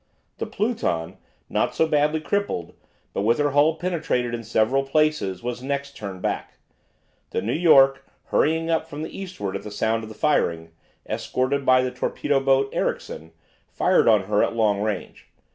The "Pluton," not so badly crippled, but with her hull penetrated in several places, was next turned back. The "New York," hurrying up from the eastward at the sound of the firing, escorted by the torpedo boat "Ericsson," fired on her at long range.